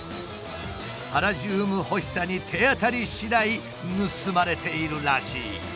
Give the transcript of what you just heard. パラジウム欲しさに手当たりしだい盗まれているらしい。